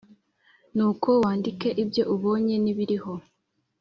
Nuko wandike ibyo ubonye n’ibiriho,